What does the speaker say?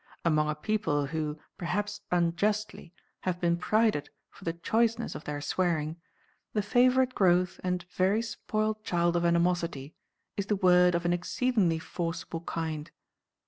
Among a people who, perhaps unjustly, have been prided for the choiceness of their swearing, the favourite growth and very spoilt child of animosity is the word of an exceedingly forcible kind.